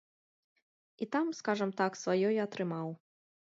І там, скажам так, сваё я атрымаў.